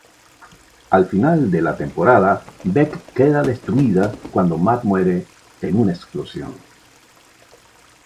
Al final de la temporada Bec queda destruida cuando Matt muere en una explosión.